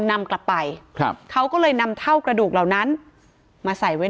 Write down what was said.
นำกลับไปครับเขาก็เลยนำเท่ากระดูกเหล่านั้นมาใส่ไว้